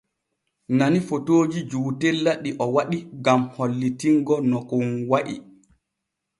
Nani fotooji jootela ɗi o waɗi gam hollitingo no kon wa’i.